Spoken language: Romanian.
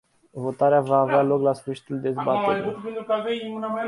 Votarea va avea loc la sfârșitul dezbaterii.